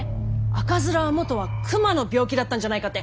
赤面は元は熊の病気だったんじゃないかって！